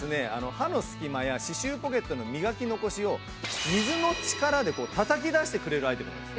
歯の隙間や歯周ポケットの磨き残しを水の力で叩き出してくれるアイテムなんです。